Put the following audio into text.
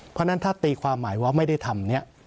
เพราะฉะนั้นถ้าตีความหมายว่าไม่ได้ทำเนี่ย